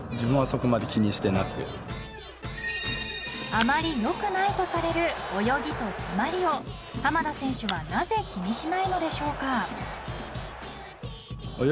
［あまり良くないとされる泳ぎと詰まりを濱田選手はなぜ気にしないのでしょうか？］